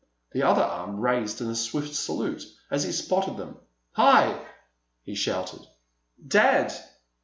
The other arm raised in a swift salute as he spotted them. "Hi!" he shouted. "Dad!"